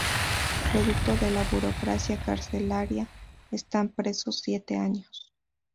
Producto de la burocracia carcelaria, están presos siete años.